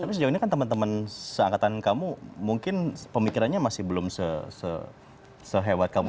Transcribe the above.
tapi sejauh ini kan teman teman seangkatan kamu mungkin pemikirannya masih belum sehebat kamu